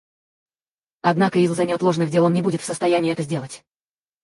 Однако из-за неотложных дел он не будет в состоянии это сделать.